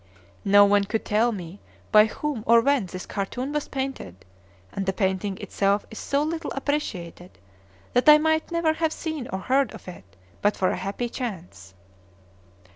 No one could tell me by whom or when this cartoon was painted, and the painting itself is so little appreciated that I might never have seen or heard of it but for a happy chance.